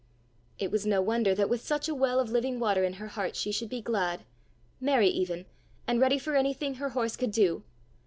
It was no wonder that with such a well of living water in her heart she should be glad merry even, and ready for anything her horse could do!